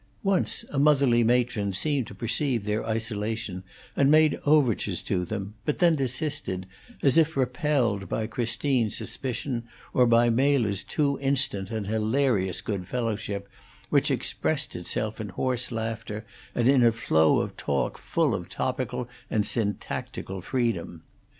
Once a motherly matron seemed to perceive their isolation, and made overtures to them, but then desisted, as if repelled by Christine's suspicion, or by Mela's too instant and hilarious good fellowship, which expressed itself in hoarse laughter and in a flow of talk full of topical and syntactical freedom.